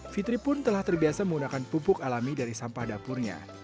fitri pun telah terbiasa menggunakan pupuk alami dari sampah dapurnya